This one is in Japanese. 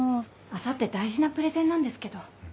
明後日大事なプレゼンなんですけど。